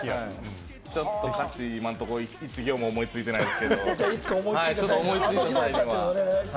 ちょっと歌詞、今んとこ１行も思いついてないですけれど。